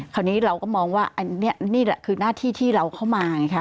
คราวนี้เราก็มองว่าอันนี้นี่แหละคือหน้าที่ที่เราเข้ามาไงคะ